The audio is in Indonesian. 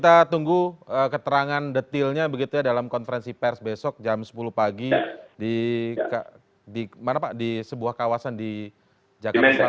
kita tunggu keterangan detilnya begitu ya dalam konferensi pers besok jam sepuluh pagi di sebuah kawasan di jakarta selatan